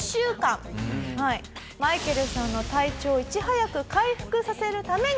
マイケルさんの体調をいち早く回復させるために。